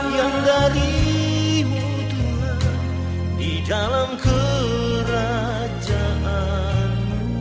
yang darimu tuhan di dalam kerajaan